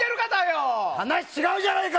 話違うじゃねえか！